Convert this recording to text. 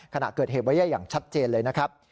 ขณะเกิดเหตุไว้ได้อย่างชัดเจนเลยนะครับ